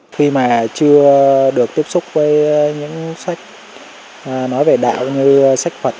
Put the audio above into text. khi mà chưa được tiếp xúc với những sách nói về đạo như sách phật